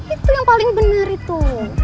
itu yang paling benar itu